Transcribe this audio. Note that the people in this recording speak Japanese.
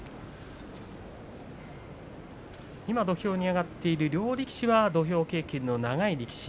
今、土俵に上がっている両力士は土俵経験の長い力士。